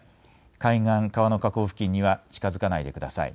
海岸、川の河口付近には近づかないでください。